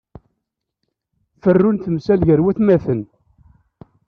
Ferru n temsal gar watmaten.